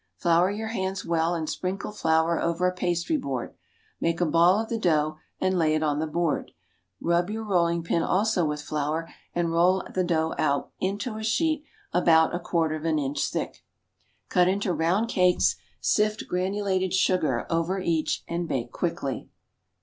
Flour your hands well and sprinkle flour over a pastry board. Make a ball of the dough, and lay it on the board. Rub your rolling pin also with flour and roll out the dough into a sheet about a quarter of an inch thick. Cut into round cakes; sift granulated sugar over each and bake quickly.